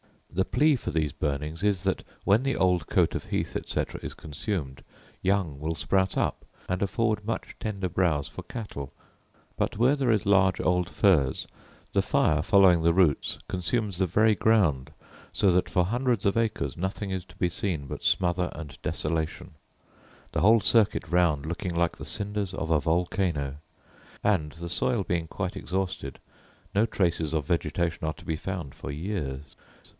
The plea for these burnings is, that, when the old coat of heath, etc., is consumed, young will sprout up, and afford much tender browse for cattle; but, where there is large old furze, the fire, following the roots, consumes the very ground; so that for hundreds of acres nothing is to be seen but smother and desolation, the whole circuit round looking like the cinders of a volcano; and the soil being quite exhausted, no traces of vegetation are to be found for years.